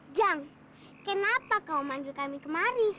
jang kenapa kau manggil kami kemari